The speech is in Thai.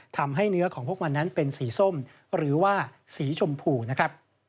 ทำให้เนื้อของพวกมันนั้นเป็นสีส้มหรือว่าสีชมพูนะครับ